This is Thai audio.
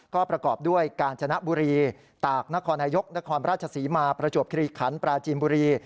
ก็ประกอบด้วยกาญจนบุรีตากนครนายกนครราชศรีมาประจวบคิริขันปราจีนบุรี